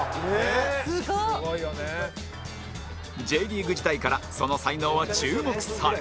Ｊ リーグ時代からその才能は注目され